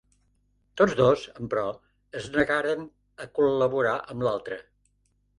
Tots dos, emperò, es negaren a col·laborar amb l'altre.